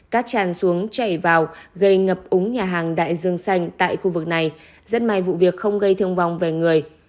cát tràn xuống chảy vào gây ngập úng nhà hàng đại dương xanh tại khu vực này rất may vụ việc không gây thương vong về người